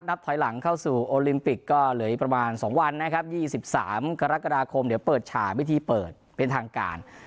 นับถอยหลังเข้าสู่โอลิมปิกก็เหลือประมาณสองวันนะครับยี่สิบสามกรกฎาคมเดี๋ยวเปิดฉ่ายวิธีเปิดเป็นทางการ